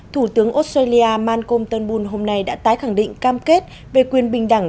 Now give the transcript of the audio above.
thủ tướng australia malcolm turnbull hôm nay đã tái khẳng định cam kết về quyền bình đẳng